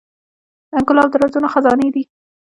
ګلاب د رازونو خزانې ده.